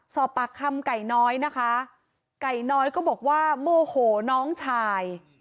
สอบปากคำไก่น้อยนะคะไก่น้อยก็บอกว่าโมโหน้องชาย